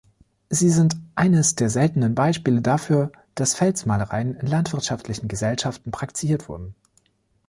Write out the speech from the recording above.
Sie sind eines der seltenen Beispiele dafür, dass Felsmalereien in landwirtschaftlichen Gesellschaften praktiziert werden.